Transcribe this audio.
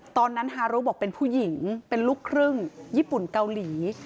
ตอนนั้นฮารุบอกเป็นผู้หญิงเป็นลูกครึ่งญี่ปุ่นเกาหลี